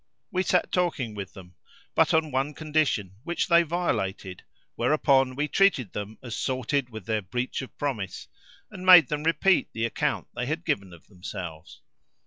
We sat talking with them but on one condition which they violated, whereupon we treated them as sorted with their breach of promise, and made them repeat the account they had given of themselves.